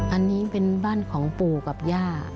อันนี้เป็นบ้านของปู่กับย่า